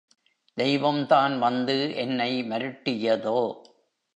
தெய்வம்தான் வந்து என்னை மருட்டியதோ?